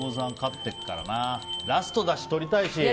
ラストだし、とりたいし。